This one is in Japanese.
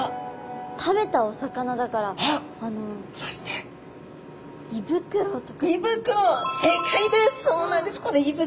食べたお魚だから胃袋！